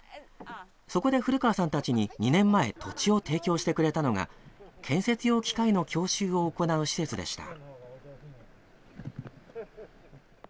そこで古川さんたちに２年前土地を提供してくれたのが建設用機械の教習を行う施設でした。